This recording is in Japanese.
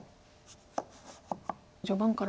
序盤から。